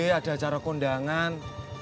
gue ada acara kondangan